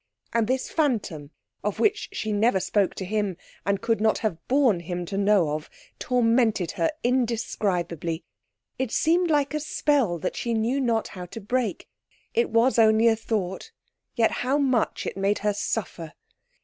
And this phantom, of which she never spoke to him and could not have borne him to know of, tormented her indescribably. It seemed like a spell that she knew not how to break. It was only a thought, yet how much it made her suffer!